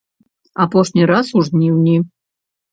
Апошні раз у жніўні.